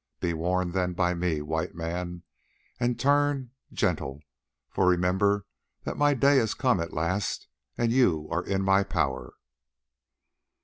Be warned then by me, White Man, and turn gentle, for remember that my day has come at last and you are in my power."